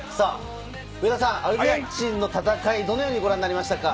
上田さん、アルゼンチンの戦い、どのようにご覧になりましたか？